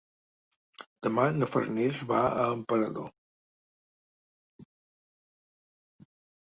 Demà na Farners va a Emperador.